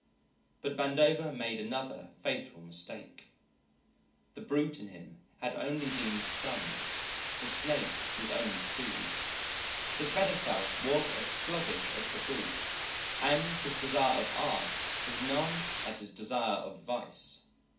But Vandover made another fatal mistake: the brute in him had only been stunned; the snake was only soothed. His better self was as sluggish as the brute, and his desire of art as numb as his desire of vice.